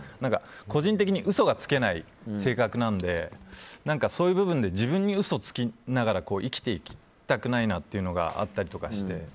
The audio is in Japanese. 個人的に嘘がつけない性格なのでそういう部分で自分に嘘をつきながら生きていきたくないなというのがあったりとかして。